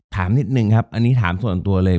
ถามนิดนึงครับอันนี้ถามส่วนตัวเลย